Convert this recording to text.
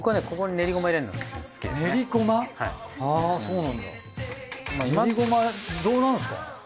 ねりごまどうなんすか？